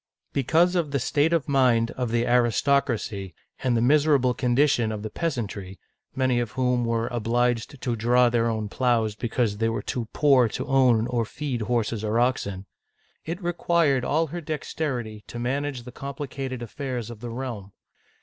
Because of the state of mind of the aristocracy, and the miserable condition of the peasantry, — many of whom were obliged to draw their own plows because they were too poor to own or feed horses or oxen, — it required all her dexterity to manage the complicated affairs of the realm.